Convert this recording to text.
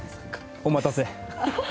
お待たせ。